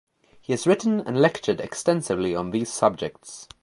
He has written and lectured extensively on these subjects.